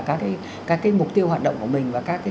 các cái mục tiêu hoạt động của mình và các cái